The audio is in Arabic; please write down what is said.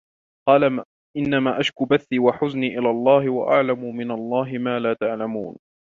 قال إنما أشكو بثي وحزني إلى الله وأعلم من الله ما لا تعلمون